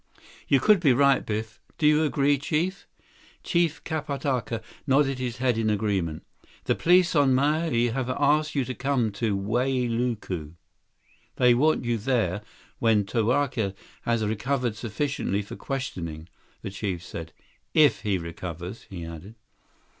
"You could be right, Biff. Do you agree, Chief?" Chief Kapatka nodded his head in agreement. "The police on Maui have asked that you come to Wailuku. They want you there when Tokawto has recovered sufficiently for questioning," the chief said. "If he recovers," he added.